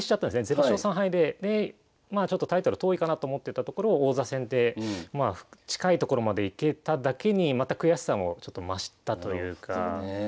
０勝３敗でまあちょっとタイトル遠いかなと思ってたところを王座戦で近いところまで行けただけにまた悔しさもちょっと増したというか。